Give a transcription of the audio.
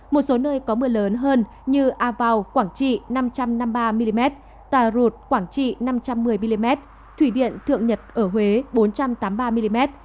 một số nơi có mưa lớn hơn như a vào quảng trị năm trăm năm mươi ba mm tà rụt quảng trị năm trăm một mươi mm thủy điện thượng nhật ở huế bốn trăm tám mươi ba mm